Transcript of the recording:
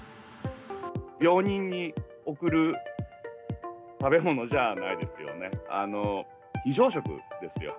病人に送る食べ物じゃないですよね。